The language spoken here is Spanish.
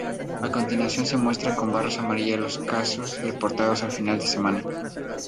A continuación se muestra con barras amarillas los casos reportados a final de semana.